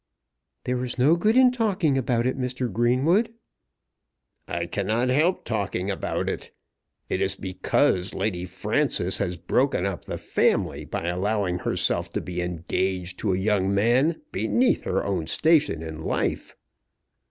"There is no good in talking about it, Mr. Greenwood." "I cannot help talking about it. It is because Lady Frances has broken up the family by allowing herself to be engaged to a young man beneath her own station in life."